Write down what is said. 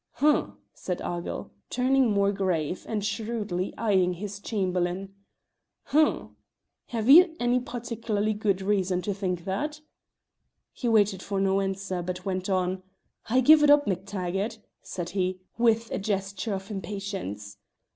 "H'm!" said Argyll, turning more grave, and shrewdly eyeing his Chamberlain "H'm! have you any particularly good reason to think that?" He waited for no answer, but went on. "I give it up, MacTaggart," said he, with a gesture of impatience.